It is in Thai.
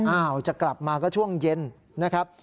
อ้าวจะกลับมาก็ช่วงเย็นนะครับ